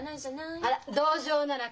あら？